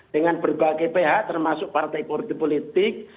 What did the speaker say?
dengan berbagai pihak termasuk partai politik